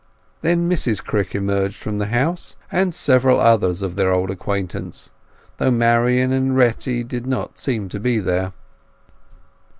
Then Mrs Crick emerged from the house, and several others of their old acquaintance, though Marian and Retty did not seem to be there.